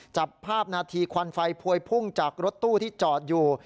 จับภาพนาทีควันไฟพวยพุ่งจากรถตู้ที่จอดอยู่